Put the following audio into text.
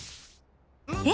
え！